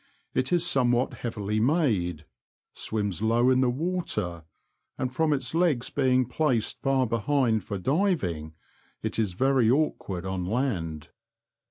It is somewhat heavily made, swims low in the water, and from its legs being placed far behind for diving it is very awkward on land.